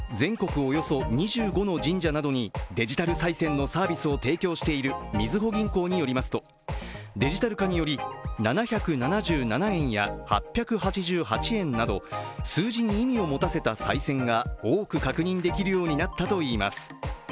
およそ２５の神社などにデジタルさい銭のサービスを提供しているみずほ銀行によりますとデジタル化により７７７円や８８８円など数字に意味を持たせたさい銭が多く確認できるようになったといいます。